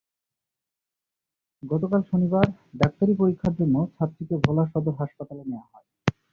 গতকাল শনিবার ডাক্তারি পরীক্ষার জন্য ছাত্রীকে ভোলা সদর হাসপাতালে নেওয়া হয়।